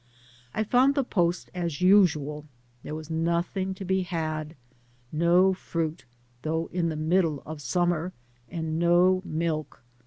I found the post as usual; there was nothing to be had — ^no fruit, though in the middle of summer, and no milk.